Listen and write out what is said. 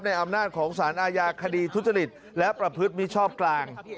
อำนาจของสารอาญาคดีทุจริตและประพฤติมิชชอบกลาง